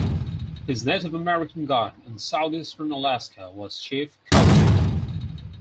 His Native American guide in southeastern Alaska was Chief Kowee.